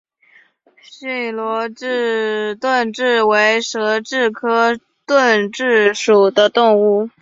暹罗盾蛭为舌蛭科盾蛭属的动物。